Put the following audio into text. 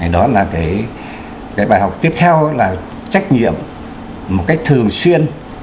đó là bài học tiếp theo là trách nhiệm một cách thường xuyên